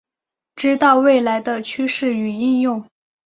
知道未来的趋势与应用